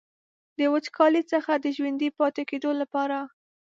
د وچکالۍ څخه د ژوندي پاتې کیدو لپاره.